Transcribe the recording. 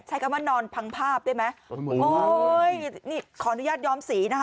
ใช้คำว่านอนพังภาพได้ไหมโอ้ยนี่ขออนุญาตย้อมสีนะคะ